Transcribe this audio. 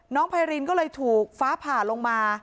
ไพรินก็เลยถูกฟ้าผ่าลงมา